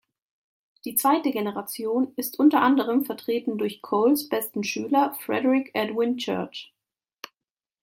Die zweite Generation ist unter anderem vertreten durch Coles besten Schüler Frederic Edwin Church.